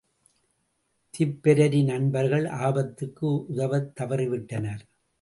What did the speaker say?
Tipperary நண்பர்கள் ஆபத்துக்கு உதவத் தவறி விட்டனர்.